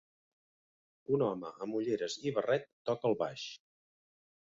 Un home amb ulleres i barret toca el baix